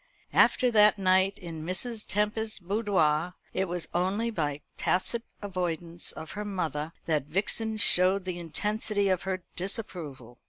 After that night in Mrs. Tempest's boudoir, it was only by tacit avoidance of her mother that Vixen showed the intensity of her disapproval.